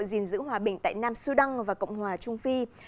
gìn giữ hòa bình tại nam sudan và cộng hòa trung phi